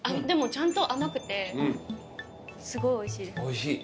でもちゃんと甘くてすごいおいしいです。